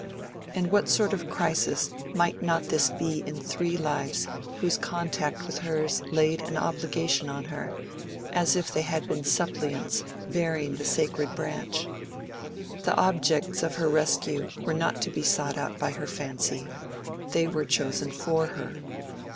And what sort of crisis might not this be in three lives whose contact with hers laid an obligation on her as if they had been suppliants bearing the sacred branch? The objects of her rescue were not to be sought out by her fancy: they were chosen for her.